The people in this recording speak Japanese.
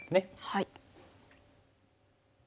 はい。